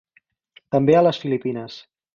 També a les Filipines.